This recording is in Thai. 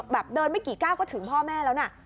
แบบเดินไม่กี่ก้าวก็ถึงพ่อแม่แล้วนะ